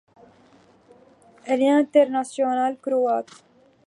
Elle est internationale croate.